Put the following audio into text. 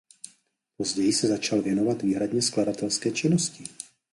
Později se začal věnovat výhradně skladatelské činnosti.